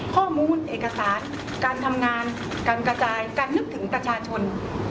ข้อมูลเอกสารการทำงานการกระจายการนึกถึงประชาชน